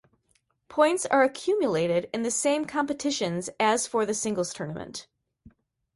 Points are accumulated in the same competitions as for the Singles tournament.